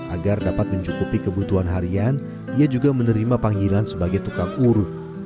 agar dapat mencukupi kebutuhan harian ia juga menerima panggilan sebagai tukang uru